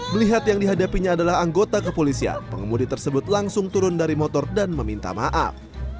melihat yang dihadapinya adalah anggota kepolisian pengemudi tersebut langsung turun dari motor dan meminta maaf